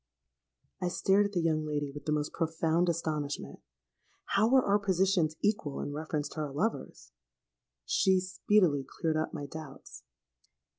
'—I stared at the young lady with the most profound astonishment. How were our positions equal in reference to our lovers? She speedily cleared up my doubts.